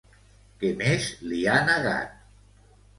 Què més li ha negat?